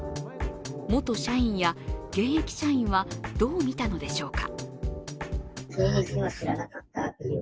元社員や、現役社員はどう見たのでしょうか。